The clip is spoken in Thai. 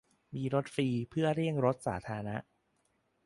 มีรถฟรีเพื่อเลี่ยงรถสาธารณะ